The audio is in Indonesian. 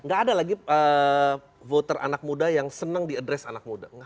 gak ada lagi voter anak muda yang senang diadres anak muda